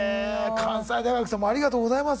関西大学さんもありがとうございます。